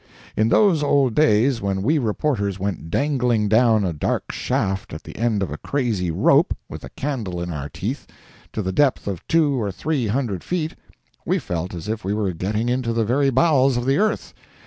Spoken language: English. In those old days, when we reporters went dangling down a dark shaft at the end of a crazy rope, with a candle in our teeth, to the depth of two or three hundred feet, we felt as if we were getting into the very bowels of the earth.